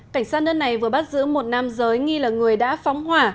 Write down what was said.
cảnh sát nước này vừa bắt giữ một nam giới nghi là người đã phóng hỏa